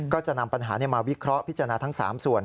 ก็จะนำปัญหามาวิเคราะห์พิจารณาทั้ง๓ส่วน